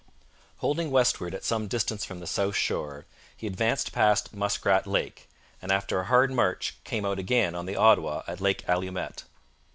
Holding westward at some distance from the south shore, he advanced past Muskrat Lake, and after a hard march came out again on the Ottawa at Lake Allumette.